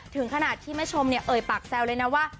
ถึงขนาดที่แม่ชมเนี่ยเอ่ยปากแซวเลยนะว่า